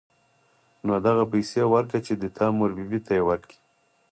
نو دغه پيسې ورکه چې د تا مور بي بي ته يې ورکي.